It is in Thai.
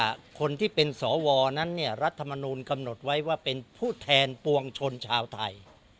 คนที่เป็นสวนั้นเนี่ยรัฐมนูลกำหนดไว้ว่าเป็นผู้แทนปวงชนชาวไทย